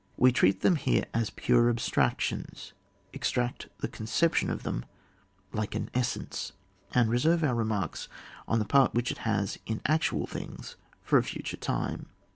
We treat them here as pure abstractions, extract the conception of them like an essence, and reserve our remarks on the part which it has in actual things for a future time.